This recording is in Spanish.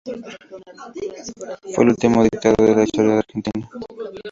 Fue el último dictador de la historia argentina.